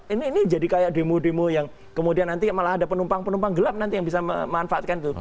ini jadi kayak demo demo yang kemudian nanti malah ada penumpang penumpang gelap nanti yang bisa memanfaatkan itu